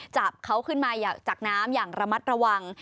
จับเขาขึ้นมาจากน้ำอย่างระมัดระวัง